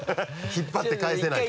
引っ張って帰せないから。